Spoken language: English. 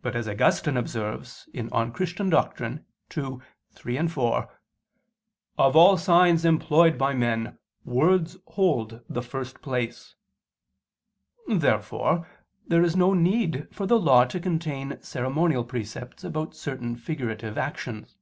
But, as Augustine observes (De Doctr. Christ. ii, 3, 4), "of all signs employed by men words hold the first place." Therefore there is no need for the Law to contain ceremonial precepts about certain figurative actions.